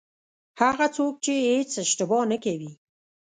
هغه څوک چې هېڅ اشتباه نه کوي.